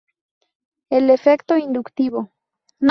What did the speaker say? El efecto inductivo.